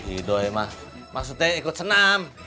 ido emang maksudnya ikut senam